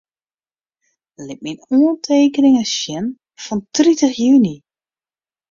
Lit myn oantekeningen sjen fan tritich juny.